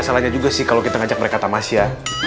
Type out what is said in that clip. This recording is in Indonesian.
salahnya juga sih kalau kita ngajak mereka tamasya